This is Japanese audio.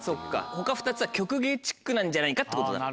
他２つは曲芸チックなんじゃないかってことだ。